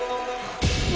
何？